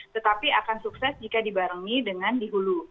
tetapi akan sukses jika dibarengi dengan dihulu